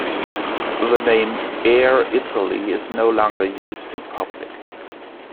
The name "Air Italy" is no longer used in public.